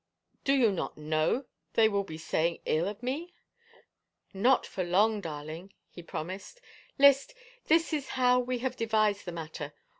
... Do you not know they will be saying ill of mer " Not for long, darling," he promised. " List, this is. how we have devised the matter.